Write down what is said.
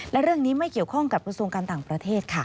และเรื่องนี้ไม่เกี่ยวข้องกับกระทรวงการต่างประเทศค่ะ